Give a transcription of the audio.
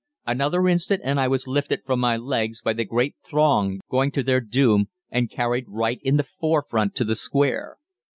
"Another instant and I was lifted from my legs by the great throng going to their doom, and carried right in the forefront to the square.